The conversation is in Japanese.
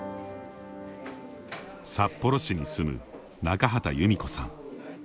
札幌市に住む、中畠由美子さん。